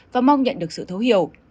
và mong nhận được sự thấu hiểu